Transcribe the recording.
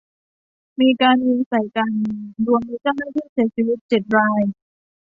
มีการยิงใส่กัน รวมมีเจ้าหน้าที่เสียชีวิตเจ็ดราย